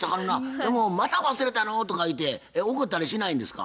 でも「また忘れたの？」とか言うて怒ったりしないんですか？